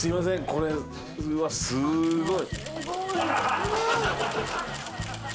これうわすごい。